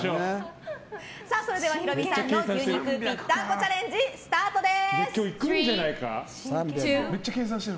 それではヒロミさんの牛肉ぴったんこチャレンジスタートです。